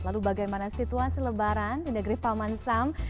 lalu bagaimana situasi lebaran di negeri paman sam